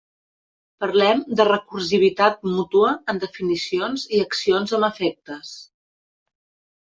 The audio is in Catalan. Parlem de Recursivitat mútua en definicions i accions amb efectes.